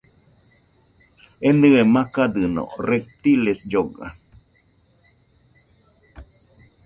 Enɨe makadɨno, reptiles lloga